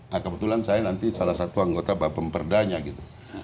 nah kebetulan saya nanti salah satu anggota bapemperdanya gitu